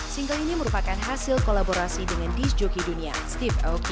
single ini merupakan hasil kolaborasi dengan disc joki dunia steve oc